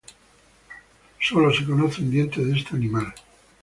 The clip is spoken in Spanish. Solo se conoce un diente de este animal.